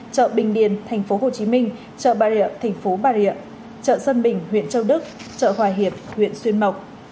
chợ bình điền tp hcm chợ bà rịa thành phố bà rịa chợ sơn bình huyện châu đức chợ hòa hiệp huyện xuyên mộc